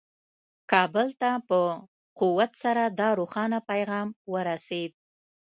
کابل ته په قوت سره دا روښانه پیغام ورسېد.